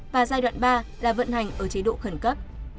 và giai đoạn ba là vận hành ở chế độ khẩn cấp